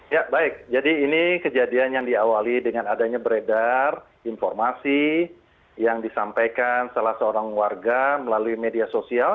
ya baik jadi ini kejadian yang diawali dengan adanya beredar informasi yang disampaikan salah seorang warga melalui media sosial